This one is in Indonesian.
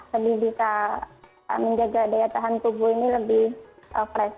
lebih bisa menjaga daya tahan tubuh ini lebih fresh